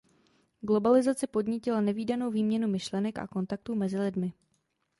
Globalizace podnítila nevídanou výměnu myšlenek a kontaktů mezi lidmi.